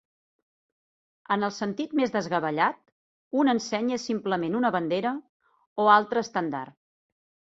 En el sentit més desgavellat, una ensenya és simplement una bandera o altre estendard.